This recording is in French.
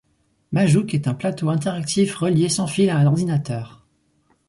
Majook est un plateau interactif relié sans fil à un ordinateur.